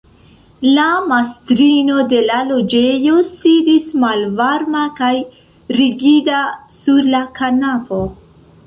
La mastrino de la loĝejo sidis malvarma kaj rigida sur la kanapo.